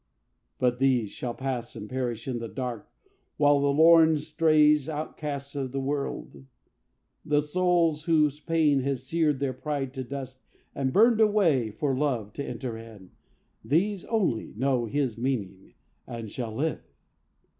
But these shall pass and perish in the dark While the lorn strays and outcasts of the world, The souls whose pain has seared their pride to dust And burned a way for love to enter in These only know his meaning and shall live.